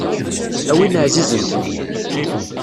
A win ɛzizen fell-i.